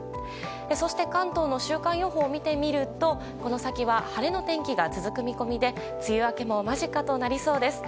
そして関東の週間予報を見てみるとこの先は晴れの天気が続く見込みで梅雨明けも間近となりそうです。